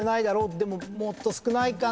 でももっと少ないかな。